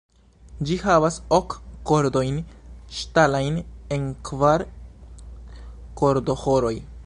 Ĝi havas ok kordojn ŝtalajn en kvar kordoĥoroj.